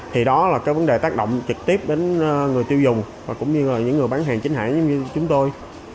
thì đó là cái vấn đề tác động trực tiếp đến người tiêu dùng và cũng như là những người bán hàng chính hãng như chúng tôi